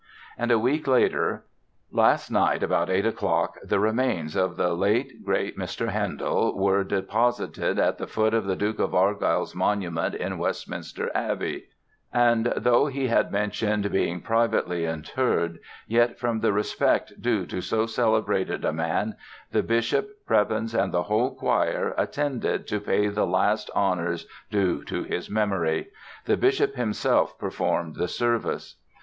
And a week later: "Last night about eight o'clock, the remains of the late great Mr. Handel were deposited at the foot of the Duke of Argyll's Monument in Westminster Abbey; and though he had mentioned being privately interr'd, yet from the Respect due to so celebrated a Man, the Bishop, Prebends, and the whole Choir attended to pay the last Honours due to his Memory; the Bishop himself performed the Service.